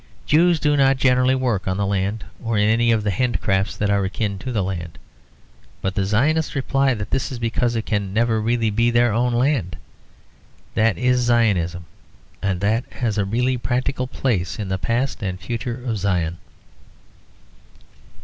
Jews do not generally work on the land, or in any of the handicrafts that are akin to the land; but the Zionists reply that this is because it can never really be their own land. That is Zionism, and that has really a practical place in the past and future of Zion.